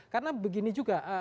karena begini juga